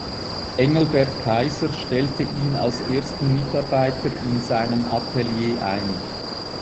Engelbert Kayser stellte ihn als ersten Mitarbeiter in seinem Atelier ein.